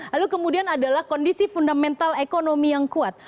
lalu kemudian adalah kondisi fundamental ekonomi yang kuat